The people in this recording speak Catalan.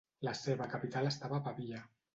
La seva capital estava a Pavia.